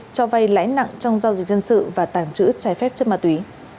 cho vay lãi nặng trong giao dịch dân sự và tàng trữ trái phép chất mạ tùy